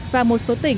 và một số nhà tài năng